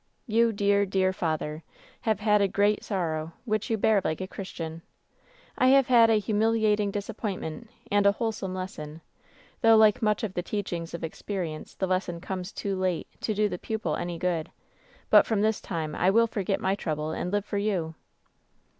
You, dear, dear father! have had a great sorrow which you bear like a Christian. I have had a humiliating disap pointment and a wholesome lesson ; though like most of the teachings of experience, the lesson comes too late to do the pupil any good. But from this time I will foi^et my trouble and live for you.'